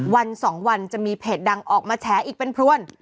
วันสองวันจะมีเพจดังออกมาแฉอีกเป็นพรวน